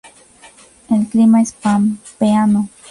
El clima es pampeano.